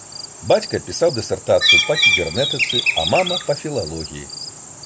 Бацька пісаў дысертацыю па кібернетыцы, а мама па філалогіі.